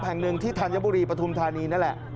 แห่งหนึ่งที่ธัญบุรีปฐุมธานีนั่นแหละ